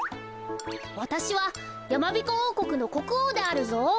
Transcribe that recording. わたしはやまびこおうこくのこくおうであるぞ。